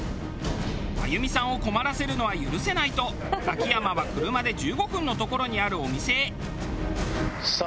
真由美さんを困らせるのは許せないと秋山は車で１５分の所にあるお店へ。